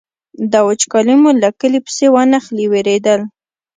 دا وچکالي مو له کلي پسې وانخلي وېرېدل.